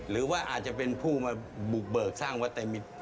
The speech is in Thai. หรือว่าอาจจะเป็นผู้มาบุกเบิกสร้างวัตมิตร